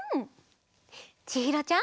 ちひろちゃん。